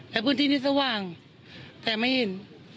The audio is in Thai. แต่พื้นที่นี้สว่างแต่ไม่เห็น